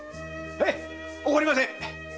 ヘイ怒りません！